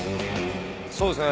そうですね。